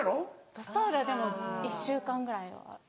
バスタオルはでも１週間ぐらいは。